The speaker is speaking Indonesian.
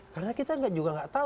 karena kita juga nggak tahu